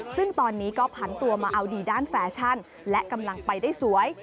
ซึ่งตอนนี้ก็ผันตัวมาเอาดีด้านแฟชั่นและกำลังไปได้สวย